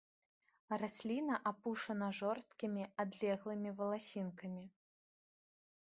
Расліна апушана жорсткімі адлеглымі валасінкамі.